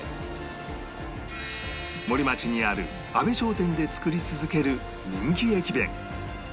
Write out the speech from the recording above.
森町にある阿部商店で作り続ける人気駅弁